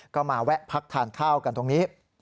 ก็มาแวะพักทานข้าวกันตรงนี้